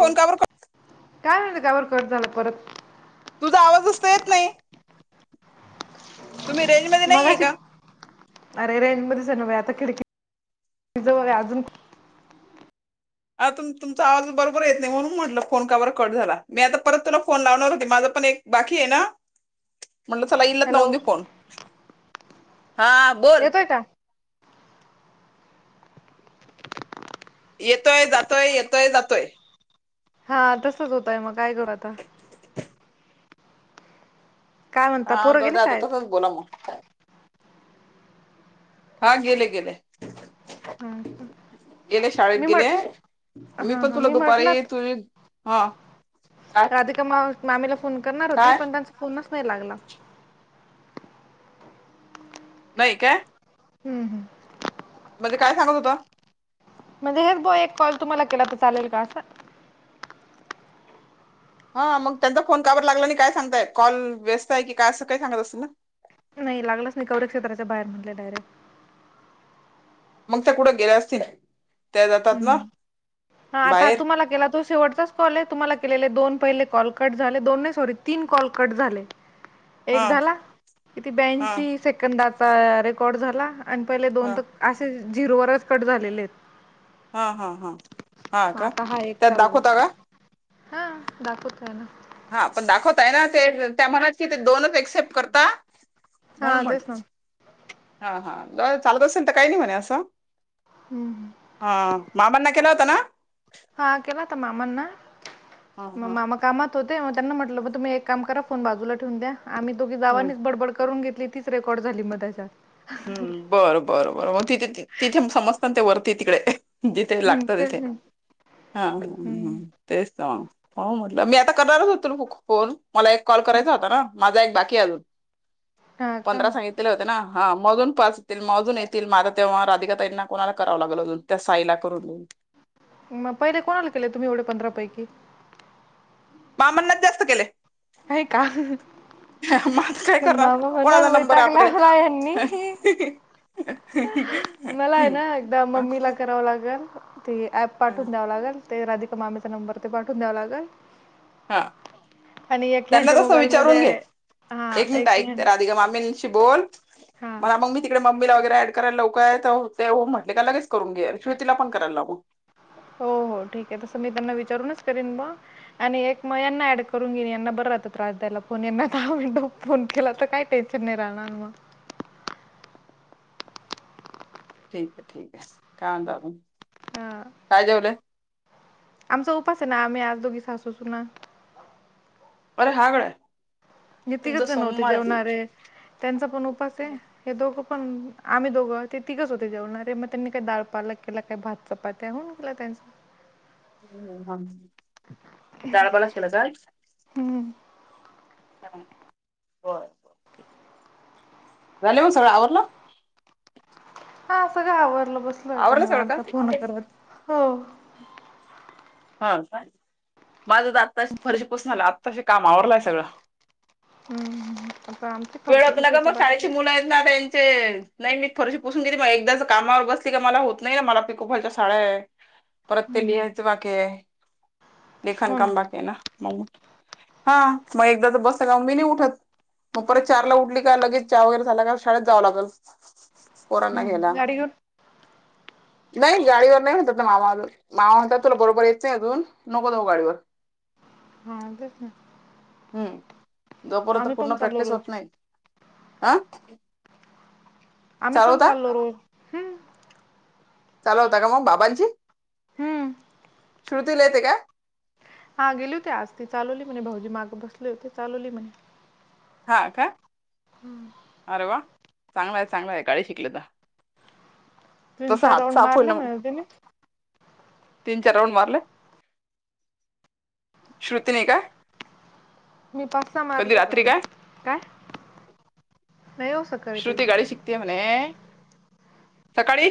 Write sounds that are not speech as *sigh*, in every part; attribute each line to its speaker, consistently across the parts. Speaker 1: हो,
Speaker 2: फोन का बर
Speaker 1: काय म्हणतलं काबर कट झाला परत....
Speaker 2: तुझा आवाजच तर येत नाही. तुम्ही रेंज मध्ये नाहीय
Speaker 1: मगाशी
Speaker 2: का?
Speaker 1: अरे, रेंज मध्येच नव्हे आता खिडकीजवळ अजून...
Speaker 2: आ तुमचा आवाज बरोबर येत नाही, म्हणून म्हटलं फोन काबर कट झाला. मी आता परत तुला फोन लावणार होते. माझ.... पण, एक बाकी आहे ना....
Speaker 1: *unintelligible*
Speaker 2: म्हणलं, चला इलत लाऊन
Speaker 1: हॅलो
Speaker 2: देऊ फोन... हा बोल.
Speaker 1: येतोय का
Speaker 2: येतोय - जातोय. येतोय - जातोय.
Speaker 1: हा, तसच होतय मग काय करू आता? काय म्हणता
Speaker 2: हा
Speaker 1: पोरं गेले
Speaker 2: जाऊदे आता
Speaker 1: शाळेत
Speaker 2: तसंच बोला मग... हा, गेले गेले...
Speaker 1: हा
Speaker 2: गेले. शाळेत
Speaker 1: मी म्हट
Speaker 2: गेले. मी
Speaker 1: हा
Speaker 2: पण
Speaker 1: हा
Speaker 2: तुला
Speaker 1: म्हटलं
Speaker 2: दुपारी तुझी... हा काय
Speaker 1: राधिका मामीला फोन करणार होती,
Speaker 2: काय
Speaker 1: पण त्यांचा फोनच नाही लागला.
Speaker 2: नाही का?
Speaker 1: हम्म हम्म...
Speaker 2: म्हणजे काय सांगत होता?
Speaker 1: म्हणजे हेच बुवा एक कॉल तुम्हाला केला तर चालेल का? असं...
Speaker 2: हा मग त्यांचा फोन काबर लागला नाही काय सांगतय कॉल व्यस्त आहे की, काय अस काही सांगत असतील ना..
Speaker 1: नाही. लागलाच नाही. कवरेज क्षेत्राच्या बाहेर म्हटले डायरेक्ट....
Speaker 2: मग त्या कुठं गेल्या असतील. त्या जातात ना
Speaker 1: हम्म. हा आता
Speaker 2: बाहेर
Speaker 1: तुम्हाला केला तो शेवटचाच कॉल आहे. तुम्हाला केलेले दोन... पहिले कॉल कट झाले. दोन नाही सॉरी तीन कॉल कट झाले.
Speaker 2: हा
Speaker 1: एक झाला. किती
Speaker 2: हा
Speaker 1: ब्यांशी सेकंदाचा रेकॉर्ड झाला. आणि पहिले
Speaker 2: हा
Speaker 1: दोन तर असेच झिरोवरच कट झालेले आहेत.
Speaker 2: हा हा हा हा
Speaker 1: मग
Speaker 2: का...
Speaker 1: आता एक
Speaker 2: त्यात
Speaker 1: चालल
Speaker 2: दाखवता का?
Speaker 1: हा दाखवत आहे ना..
Speaker 2: हा पण दाखवतय ना ते त्या म्हणात की ते दोनच एक्सेप्ट करता. म्हणून
Speaker 1: हा
Speaker 2: म्हट
Speaker 1: तेच ना
Speaker 2: हा हा ज चालत असेल तर काही नाही म्हणे असं.
Speaker 1: हम्म
Speaker 2: हा मामांना केला होता ना...
Speaker 1: हा केला होता मामांना
Speaker 2: हा
Speaker 1: मग
Speaker 2: हा
Speaker 1: मामा कामात... हो मग त्यांना म्हटलं मग तुम्ही एक काम करा फोन बाजूला ठेवून दया आम्ही दोघी
Speaker 2: हम्म
Speaker 1: जावानीच बडबड करून घेत..... तीच रेकॉर्ड झाली मग त्याच्यात...
Speaker 2: हम्म बरं बरं बरं मग तिथे तिथे समजता ते वरती तिकडे... जिथे
Speaker 1: हम्म
Speaker 2: लागतो तिथे
Speaker 1: तेच ना
Speaker 2: हा
Speaker 1: हम्म
Speaker 2: तेच सांग.. हो म्हटलं मी आता करणारच होतो फोन मला एक कॉल करायचा होता ना माझा एक बाकी आहे अजून....
Speaker 1: हा का
Speaker 2: पंधरा सांगितलेले होते ना हा मजून पास येतील म अजून येतील माझ तेव्हा राधिका ताईना कोणाला कराव लागल अजून त्या साईला करून देेऊन.
Speaker 1: मग पहिले कोणाला केले तुम्ही एवढे पंधरा पैकी...
Speaker 2: मामांना जास्त केले....
Speaker 1: हाय का?
Speaker 2: मग आता काय
Speaker 1: ते
Speaker 2: करणार
Speaker 1: मामा म्हणल
Speaker 2: कोणाचा नंबर
Speaker 1: वैताग
Speaker 2: आहे
Speaker 1: आणला यांनी
Speaker 2: आपल्याकडे
Speaker 1: मला आहे ना एकदा मम्मीला करावं लागल. ते ॲप पाठवून द्यावं लागल ते राधिका मामीचा नंबर ते पाठवून द्यावा लागल.
Speaker 2: हा त्यांना तस विचारून
Speaker 1: मोबाईलमध्ये
Speaker 2: घे
Speaker 1: हा
Speaker 2: एक मिनिट
Speaker 1: ह्यां
Speaker 2: ऐक राधिका मामी बोल
Speaker 1: हा
Speaker 2: मला मग मी तिकडे मम्मीला वगैरे ॲड करायला लवकय ते म्हटले का लगेच करून घे श्रुतीला पण करायला लाव.
Speaker 1: हो हो ठीक आहे तसं मी त्यांना विचारूनच करीन मग आणि एक मग यांना ऍड करून घेन यांना बर त्रास द्यायला फोन यांना म्हण फोन केला तर काही टेन्शन नाही राहणार मग. *inaudible*
Speaker 2: ठीक आहे ठीक आहे काय अज
Speaker 1: हा
Speaker 2: काय जेवलं?
Speaker 1: आमचा उपास आहे ना आम्ही आज दोघी सासू सुना.
Speaker 2: अरे हागळ
Speaker 1: हे तिघच जण होते जेवणारे त्यांचा पण उपास आहे हे दोघ पण आम्ही दोघं ते तिघच होते जेवणारे मग त्यांनी काही दाळ पालक केला काही भात चपात्या होऊन केला. *inaudible*
Speaker 2: ह दळ बला ला काय?
Speaker 1: हम्म
Speaker 2: झाले हो सगळं आवरलं?
Speaker 1: हा सगळं आवरलं बसलोय आता
Speaker 2: आवरलं सगळं का?
Speaker 1: निवांत फोन करत. हो
Speaker 2: हा माझं तर आत्ता फरशी पसून आला आत्ताशी काम आवरलंय सगळं.
Speaker 1: हम्म आता आमची
Speaker 2: वेळ
Speaker 1: परशी
Speaker 2: होत ना ग
Speaker 1: पुुसायची
Speaker 2: मग
Speaker 1: बाकी
Speaker 2: शाळेची
Speaker 1: आहे.
Speaker 2: मुलं आहेत ना त्यांचे नाही मी फरशी पुसून गेली म एकदा कामावर बसली का मला होत नाही ना मला पिकोफॉलच्या साड्या आहे. परत ते
Speaker 1: हम्म
Speaker 2: लिहाच बाके लेखण काम बाके ना म हा मग एकदा तर बसल ना मी नाही उठत. मग परत चारला उठली का लगेच चहा वगैरे झाला का शाळेत जावं लागल. पोरांना
Speaker 1: हम्म
Speaker 2: घ्यायला
Speaker 1: गाडी घेऊन
Speaker 2: नाही गाडीवर नाही होत मामा मामा म्हणतात तुला बरोबर येतं नाही अजून नको जाऊ गाडीवर.
Speaker 1: हा तेच ना.
Speaker 2: हम्म जो पर्यंत
Speaker 1: आम्ही पण
Speaker 2: पूर्ण
Speaker 1: चाललो
Speaker 2: प्रॅक्टिस होत
Speaker 1: रोज
Speaker 2: नाय
Speaker 1: आम्ही पण चाललो हो हम्.
Speaker 2: चालू होता का मग बाबाशीं
Speaker 1: हम्म
Speaker 2: श्रुतीला येते का?
Speaker 1: हा गेली होती आज ती चालवली म्हणे भाऊजी माग बसले होते चालवली म्हणे.
Speaker 2: हा का आरे वा. चांगला आहे चांगला आहे गाडी शिकली तर
Speaker 1: तीन
Speaker 2: तस
Speaker 1: चार
Speaker 2: हात
Speaker 1: राऊंड
Speaker 2: साफू
Speaker 1: मारले
Speaker 2: ना.
Speaker 1: म्हणे तिने
Speaker 2: तीन चार राऊंड मारलं श्रुतीनी का?
Speaker 1: मी पाच सहा मारलो जाऊन काय? नाही हो सकाळी ते
Speaker 2: श्रुती गाडी शिकते म्हणे सकाळी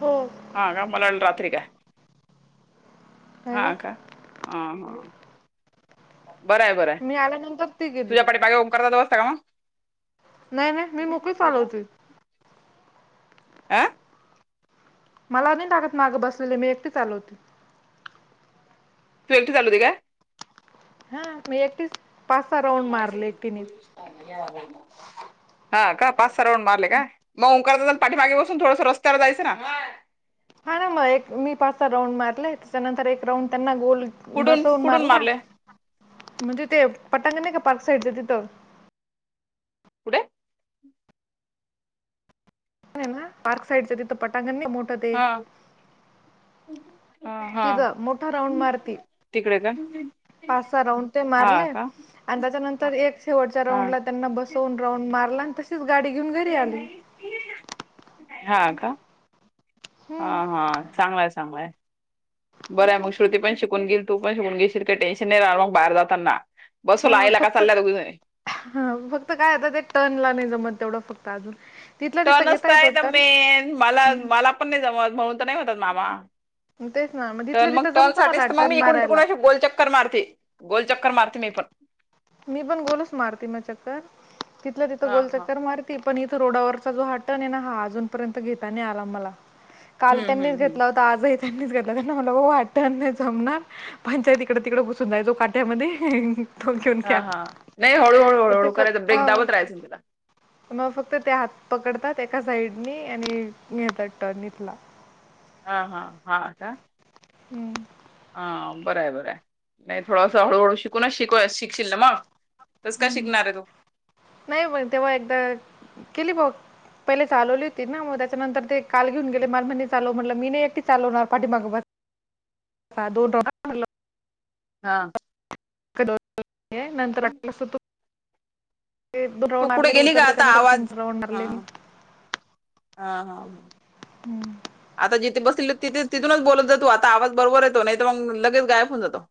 Speaker 1: हो
Speaker 2: हा का मला न रात्री काय.
Speaker 1: नाही
Speaker 2: हा का
Speaker 1: नाही
Speaker 2: हं हं. बरं आहे बरं आहे
Speaker 1: मी आल्यानंतर ती गेली
Speaker 2: तुझ्या पाठी मागे उम करत असता का मग
Speaker 1: नाही, नाही मी मोकळी चालवते.
Speaker 2: अं
Speaker 1: मला नाही लागत मागं बसलेले मी एकटीच चालवते.
Speaker 2: तू एकटी चालवतेय काय?
Speaker 1: हा मी एकटीच पाच सहा
Speaker 2: म
Speaker 1: राऊंड
Speaker 2: मा
Speaker 1: मारले
Speaker 2: सिटी
Speaker 1: एकटीने
Speaker 2: पोलीसान या लागला. हा का पाच सहा राऊंड मारले का मग ओंकार दादा न पाठीमागे बसून थोडस रस्त्यावर जायचं ना.
Speaker 1: हा ना म एक मी पाच सहा राउंड मारले त्याच्यानंतर एक राउंड त्यांना गोल
Speaker 2: कुठून
Speaker 1: बसवुन
Speaker 2: कुठून
Speaker 1: मारला
Speaker 2: मारले
Speaker 1: म्हणजे ते पटांंगण नाही का पार्क साईड च तिथं.
Speaker 2: कुठे?
Speaker 1: पार्क साईडच तिथं पटांगण नाही मोठं ते.
Speaker 2: हा अ हा
Speaker 1: तिथं मोठा राऊंड मारती.
Speaker 2: तिकडे का
Speaker 1: पाच सहा राऊंड ते
Speaker 2: हा
Speaker 1: मारलेच.
Speaker 2: का
Speaker 1: आणि त्याच्यानंतर एक शेवटच्या
Speaker 2: हा
Speaker 1: राऊंड ला त्यांना बसवून राऊंड मारला. तशीच गाडी घेऊन घरी आली.
Speaker 2: हा का? हा हा चांगल आहे चांगल आहे. बरं आहे मग श्रुती पण शिकून घेईल, तू पण शिकून घेशील काही टेन्शन नाही राह मग बाहेर जातांना.
Speaker 1: हा फक्त ह फक्त काय व्हत ते टर्न ला नाही जमत. तेवढं फक्त अजुन.
Speaker 2: टर्न आहेस त मेन मला, मला पण नाही जमत म्हणून तर नाही म्हणतात मामा.
Speaker 1: तेच ना
Speaker 2: तर
Speaker 1: तिथलं
Speaker 2: मग
Speaker 1: तिथं
Speaker 2: टर्न
Speaker 1: जमतं मला
Speaker 2: साठीच तर मग
Speaker 1: टर्न
Speaker 2: मी इकडून
Speaker 1: मारायला.
Speaker 2: तिकडुन अशी गोलचक्कर मारते. गोलचक्कर मारते मी पण.
Speaker 1: मी पण गोलच मारती मग चक्कर. तिथल्या तिथं
Speaker 2: हा हा
Speaker 1: गोलचक्कर मारतीये. पण इथं रोडावरचा जो हा टर्न आहे ना हा अजूनपर्यंत घेता नाही आला मला. काल
Speaker 2: हम्म
Speaker 1: त्यांनीच
Speaker 2: हम्म हम्म
Speaker 1: घेतला होता आजही त्यांनीच घेतला त्यांना म्हटलं ओ हा टर्न नाही जमणार, पंचायत इकडे तिकडे घुसून जाय चो काट्यामध्ये थोडक्यात
Speaker 2: हा, हा नाही हळूहळू हळूहळू करायच ब्रेक
Speaker 1: हा
Speaker 2: दाबत राहायचं तिला.
Speaker 1: मग फक्त ते हात पकडतात एका साइडनी आणिे नेतात टर्न इथला.
Speaker 2: हा हा हा का
Speaker 1: हम्म.
Speaker 2: हा बरय बरं आहे नाही थोडस हळूहळू शिकूनच शिक शिकशील ना मग. तस काय
Speaker 1: हम्म
Speaker 2: शिकणार आहे तू
Speaker 1: नाही मग तेव्हा एकदा केली भाउ पहिले चालवली होती ना मग. त्याच्यानंतर ते काल घेऊन गेले मला म्हणे चालव म्हटलं मी नाही एकटी चालवणार, पाठीमाग बसा हा दो *unintelligible* म्हणलं.
Speaker 2: हा.
Speaker 1: *unintelligible* नंतर ऐकलस तु
Speaker 2: तू कुठ गेली का
Speaker 1: उतर
Speaker 2: आता
Speaker 1: त्याच्यानंतर तीन
Speaker 2: आवाज
Speaker 1: राऊंड
Speaker 2: हां
Speaker 1: मारले मी
Speaker 2: हा हा. आता जिथे बसल तिथ तिथूनच बोलत जातो आता आवाज बरोबर येतो, नाही तर मग लगेच गायब होऊन जातो.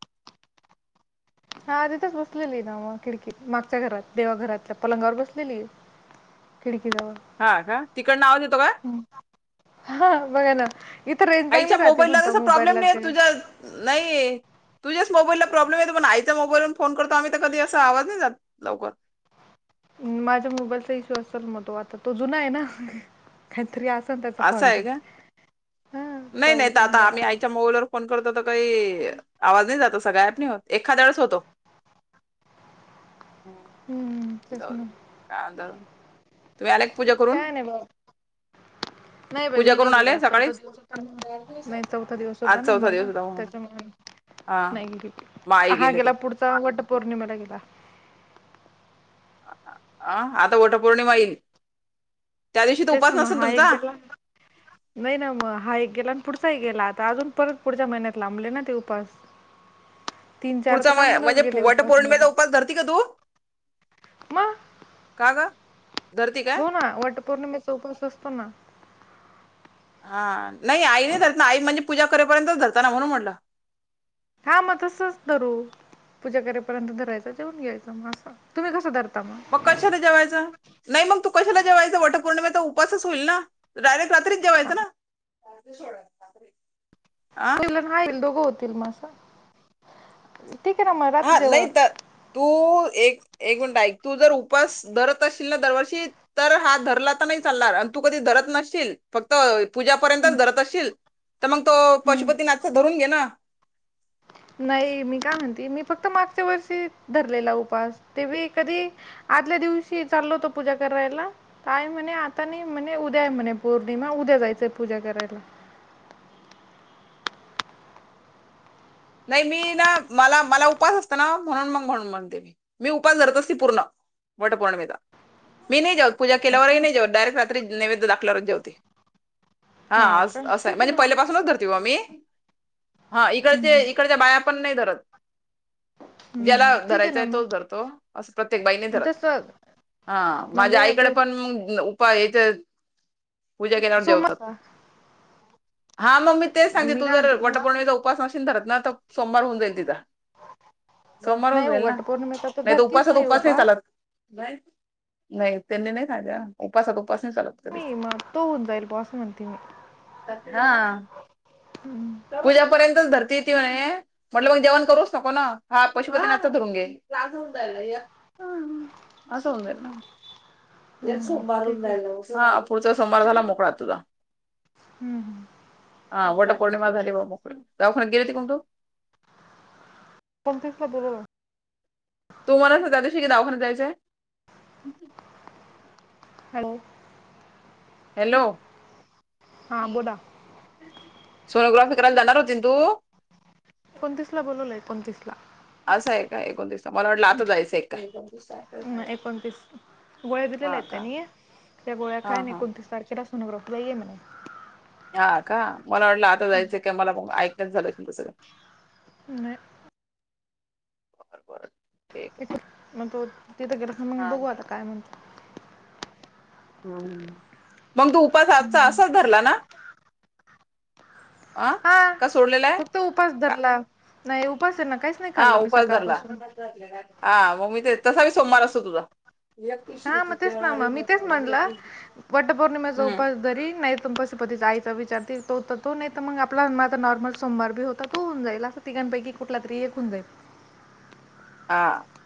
Speaker 1: हा तिथंच बसलेली ना मग खिडकीत मागच्या घरात देवा घरातल्या पलंगावर बसलेली आहे. खिड
Speaker 2: हा का. तिकडन आवाज येतो का?
Speaker 1: हम्म. हा बघा ना इथं रेंज चांगली
Speaker 2: आईच्या
Speaker 1: राहते
Speaker 2: मोबाईल ला
Speaker 1: म्हणता
Speaker 2: तसा प्रॉब्लेम
Speaker 1: मोबाईलला
Speaker 2: नाही
Speaker 1: ते
Speaker 2: तुझ्या नाही तुझ्याच मोबाईलला प्रॉब्लेम येतो पण आईच्या मोबाईलवर फोन करतो आम्ही तर कधी अस आवाज नाही जात लवकर.
Speaker 1: माझ्या मोबाईलचा इशू असेल म तो आता तो जुना आहे ना. काहीतरी अस
Speaker 2: असं आहे काय, नाही नाही तर
Speaker 1: प्रॉब्लेम
Speaker 2: आता
Speaker 1: त्याला
Speaker 2: आम्ही आईच्या मोबाईलवर फोन करतो तर काही, आवाज नाही जात असा गायब नाही होत. एखाद्या वेळेस होतो. हम्म.
Speaker 1: हम तेच
Speaker 2: जाऊ दे
Speaker 1: ना.
Speaker 2: काय म्हणता तुम्ही आल्या का पुजा करून?
Speaker 1: काय नाही बाबा *inaudible* नाही बाई
Speaker 2: पूजा
Speaker 1: मी नाही
Speaker 2: करून
Speaker 1: गेले,
Speaker 2: आले
Speaker 1: आज चौथा
Speaker 2: सकाळीच
Speaker 1: दिवस होता ना. नाही चौथा दिवस
Speaker 2: आज
Speaker 1: होता ना
Speaker 2: चौथा
Speaker 1: मला
Speaker 2: दिवस होता म्हणून
Speaker 1: त्याच्यामुळे
Speaker 2: हा
Speaker 1: नाही गेली.
Speaker 2: मग आई
Speaker 1: हा
Speaker 2: गेले
Speaker 1: गेला
Speaker 2: ते
Speaker 1: पुढचा वट पौर्णिमेला गेला.
Speaker 2: अ आता वटपौर्णिमा येईल. त्या दिवशी तर
Speaker 1: तेच
Speaker 2: उपास
Speaker 1: ना मग
Speaker 2: नसेल
Speaker 1: हा एक
Speaker 2: तुमचा
Speaker 1: गेला. नाही ना मग हा एक गेला आणि पुढ चाहि गेला. आता अजून परत पुढच्या महिन्यात लांबले ना ते उपास. तीन चार
Speaker 2: पुढचा
Speaker 1: तर
Speaker 2: महिना
Speaker 1: लांबूनच
Speaker 2: म्हणजे
Speaker 1: गेले उपास माझे
Speaker 2: वटपौर्णिमेचा उपास धरती का तु?
Speaker 1: मग
Speaker 2: का ग? धरती काय
Speaker 1: हो ना वटपौर्णिमेचा उपवास असतो ना.
Speaker 2: हा नाही आई नाही धरत आई म्हणजे पुजा करेपर्यंतच धरतना म्हणून म्हटलं.
Speaker 1: हा मग तसच धरू. पूजा करेपर्यंत धरायंच जेऊन घ्याच मग, असं तुम्ही कसं धरता?
Speaker 2: मग कशाला जेवायचं? नाही मग तु कशाला जेवायच? वटपौर्णिमेचा उपासच होईल ना? डायरेक्ट- रात्री
Speaker 1: हा.
Speaker 2: जेवायचं ना? आ
Speaker 1: ला ना येईल दोघं होतील माझ *unintelligible*
Speaker 2: हा नाही तर तु एक एक मिनिट एक, तु जर उपास धरत असशील ना दरवर्षी तर हा धरला तर नाही चालणार आणि तु कधी धर धरत नशील फक्त पुजा पर्यंतच
Speaker 1: हम्म,
Speaker 2: धरत असशील, तर मग तो पशुपतीनाथचा धरून घे ना
Speaker 1: *unintelligible* अन ऎंटिलेजेबल नाही मी काय म्हणते, मी फक्त मागच्या वर्षी धरलेला उपास ते बी कधी आदल्या दिवशी चाल होत पुजा करायलाय आई म्हणे आता नाही, म्हणे उद्या म्हणे पौर्णिमा उद्या जायच. ते पुजा करायला.
Speaker 2: नाही मी ना, मला मला उपास असतं ना, म्हणून मग म्हणून म्हणते मी मी उपास धरत असते पुर्ण वटपौर्णिमेला. मी- पुजा
Speaker 1: हो का
Speaker 2: केल्यावरही नाहीे जेवत, डायरेक्ट रात्री नैवेद्य दाखल्यावरच जेवते. हा
Speaker 1: का
Speaker 2: असं आहे
Speaker 1: ठीक
Speaker 2: म्हणजे
Speaker 1: ना
Speaker 2: पहिल्यापासुनच धरते ओ बा मी हा इकडे ते
Speaker 1: हम्म,
Speaker 2: इकडच्या बाया पण नाही धरत. ज्याला
Speaker 1: हम्म. ठीक आहे ना
Speaker 2: धरायचाय तोच
Speaker 1: मग
Speaker 2: धरतो, असं प्रत्येक बाई धरत.
Speaker 1: तसं
Speaker 2: हा माझ्या
Speaker 1: म्हणजे
Speaker 2: आईकडे पण
Speaker 1: प-
Speaker 2: मग पप्पा यांच्यात पुजा केल्यावर जेवतात.
Speaker 1: सोमवार
Speaker 2: हा मग मी तेच सांगते तु
Speaker 1: काय
Speaker 2: जर
Speaker 1: म्हणते मग
Speaker 2: वटपौर्णिमेचा उपास नाशीन धरत ना, तर सोमवार होऊन जाईल तिचा. सोमवार हो
Speaker 1: नाही
Speaker 2: जाईल ना,
Speaker 1: वट पौर्णिमेचा
Speaker 2: नाही तर
Speaker 1: धरतीच
Speaker 2: उपासात
Speaker 1: मी
Speaker 2: उपास नाही चालत. *unintelligible* अन ऎंटिलेजेबल *unintelligible* उपवास नाही चालत कधी?
Speaker 1: मी मग तो होऊन जाईल बुवा असं म्हणते मी
Speaker 2: हा.
Speaker 1: हम्म,
Speaker 2: पुज्या पर्यंतच धर ते ती म्हणे म्हटल मग जेवण करूच नको ना, हा पशुपतीनाथचाच धरून घे.
Speaker 1: *unintelligible* अन ऎंटिलेजेबल
Speaker 2: पास होऊन जाईलना. ते
Speaker 1: हम्म,
Speaker 2: सोमवार होऊन
Speaker 1: ठीक
Speaker 2: जाय, ह पुढचा सोमवार झाला मोकळा तुझा.
Speaker 1: हम्म.
Speaker 2: हा वटपौर्णिमा झाली बा मोकळी. दवाखान्यात गेलती का तु?
Speaker 1: *unintelligible* अन ऎंटिलेजेबलर
Speaker 2: तु मला त्या दिवशी क दवाखान्यात जायचंय *unintelligible*
Speaker 1: हाळो?
Speaker 2: हॅलो?
Speaker 1: हा बोला.
Speaker 2: सोनोग्राफी करायला जाणार होती न तू?
Speaker 1: एकोणतीसला ला बोललेय, एकोणतीसला.
Speaker 2: काय एकोणतीस *unintelligible* मला वाटलं आता जायचंय काय?
Speaker 1: नाही, एकोणतीस गोळ्या दिलेल्या
Speaker 2: हा
Speaker 1: आहेत
Speaker 2: का?
Speaker 1: त्यांनी त्या गोळ्या खाय
Speaker 2: हा
Speaker 1: आणि
Speaker 2: हा
Speaker 1: एकोणतीस तारखेला सोनोग्राफीला ये म्हणे.
Speaker 2: हा, का? मला वाटलं आता जायचंय काय, मला म ऐकयच झालं सगळं-
Speaker 1: नाही.
Speaker 2: बर बर.
Speaker 1: मग तो तिथं गेला ख मग
Speaker 2: हा
Speaker 1: बघू आता काय म्हणत.
Speaker 2: ह मग तो उपास आजचा असाच धरला ना? अ
Speaker 1: हा
Speaker 2: का सोडलेला आहे
Speaker 1: फक्त उपास
Speaker 2: का
Speaker 1: धरला नाही, उपास आहे न-
Speaker 2: हा उपास धरला, हा मग मी ते तसा बी सोमवार असतो तुझा-
Speaker 1: हा मग तेच ना म मी तेच म्हणलं- वटपौर्णिमेचा
Speaker 2: हम्म
Speaker 1: उपास धरीन नाही, तुप पतीचा *unintelligible* आईचा विचार त त तो नाही तर मग आपलाता नॉर्मल सोमवार बी होता, तो होऊन जाईल, असं तिकांपैकी कुठला तरी एक होऊन जाईल. *inaudible*
Speaker 2: हा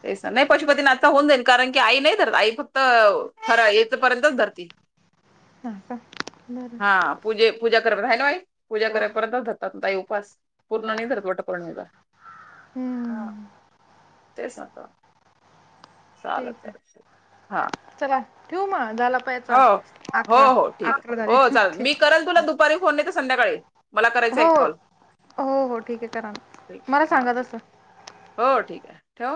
Speaker 2: ते नाही पशुपतीने आता होऊन जाईन, कारण की आई नाही धरत, आई फक्त खर येथपर्यंत धरती.
Speaker 1: हा का बरं
Speaker 2: हा पूजे पूजा *unintelligible* हाय न व आई? पूजा करे पर्यंत धरतात ताई उपवास, पूर्ण नाही धरत वटपौर्णिमेचा.
Speaker 1: हम्म.
Speaker 2: तेच ना चालल,
Speaker 1: ठीक आहे
Speaker 2: चालल हा
Speaker 1: चला ठेवू मग झाला
Speaker 2: हो
Speaker 1: पायाचा
Speaker 2: हो
Speaker 1: अकरा
Speaker 2: हो ठीक आहे,
Speaker 1: अकरा झाले
Speaker 2: हो चालेल मी
Speaker 1: ठीक
Speaker 2: करल तुला दुपारी फोन नाहीतर संध्याकाळी. मला करायचा
Speaker 1: हो
Speaker 2: एक कॉल
Speaker 1: हो हो ठीक आहे करा ना, मला
Speaker 2: हा
Speaker 1: सांगा
Speaker 2: ठीक
Speaker 1: तस.
Speaker 2: हो ठीक आहे, ठेऊ?